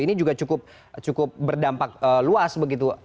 ini juga cukup berdampak luas begitu